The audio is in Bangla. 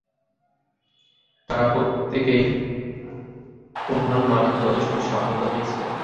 তারা প্রত্যেকেই ওভাল মাঠে যথেষ্ট সফলতা পেয়েছিলেন।